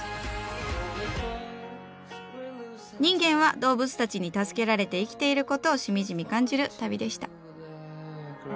人間は動物たちに助けられて生きていることをしみじみ感じる旅でした。